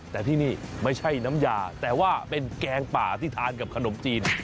แต่ที่นี่ไม่ใช่น้ำยาแต่ว่าเป็นแกงป่าที่ทานกับขนมจีน